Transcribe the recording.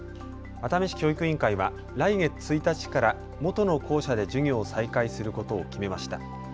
熱海市教育委員会は来月１日から元の校舎で授業を再開することを決めました。